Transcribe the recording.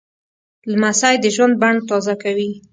لمسی د ژوند بڼ تازه کوي.